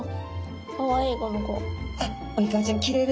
かわいいこの子。